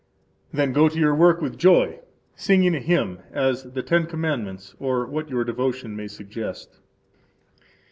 Then go to your work with joy, singing a hymn, as the Ten Commandments, or what your devotion may suggest.